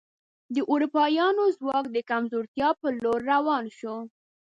د اروپایانو ځواک د کمزورتیا په لور روان شو.